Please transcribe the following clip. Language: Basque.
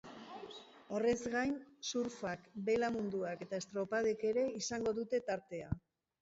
Horrez gain, surfak, bela munduak eta estropadek ere izango dute tartea.